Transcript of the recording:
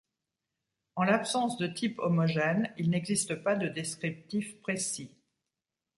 En l'absence de type homogène, il n'existe pas de descriptif précis.